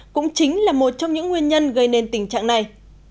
cũng chính là một trong những nguyên nhân gây nên tình trạng này